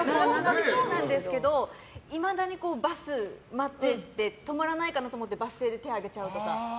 そうなんですけどいまだにバス待ってて止まらないかなと思ってバス停で手を上げちゃうとか。